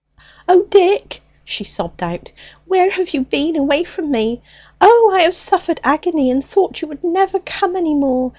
"O Dick," she sobbed out, "where have you been away from me? O, I have suffered agony, and thought you would never come any more!